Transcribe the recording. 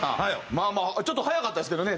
まあまあちょっと早かったですけどね